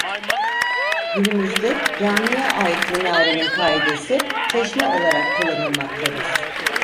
Günümüzde camiye ait minarenin kaidesi çeşme olarak kullanılmaktadır.